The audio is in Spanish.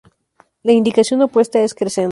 La indicación opuesta es "crescendo".